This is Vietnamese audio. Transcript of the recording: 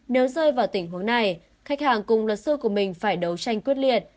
nếu rơi vào tình huống này khách hàng cùng luật sư của mình phải đấu tranh quyết liệt